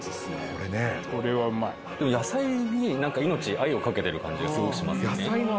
これはうまい野菜に何か命愛をかけてる感じがすごくしますよね